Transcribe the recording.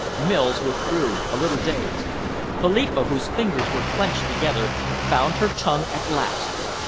Mills withdrew, a little dazed. Philippa, whose fingers were clenched together, found her tongue at last.